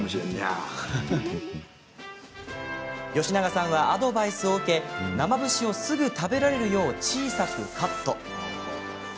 吉永さんは、アドバイスを受け生節をすぐ食べられるよう小さくカット。